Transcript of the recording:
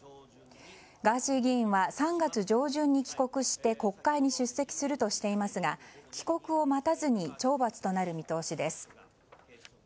ガーシー議員は３月上旬に帰国して国会に出席するとしていますが帰国を待たずに懲罰となる見通しです。